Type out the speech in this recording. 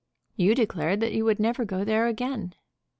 "You declared that you would never go there again."